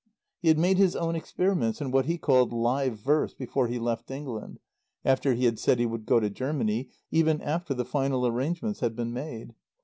He had made his own experiments in what he called "live verse" before he left England, after he had said he would go to Germany, even after the final arrangements had been made.